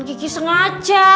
ya kan gigi sengaja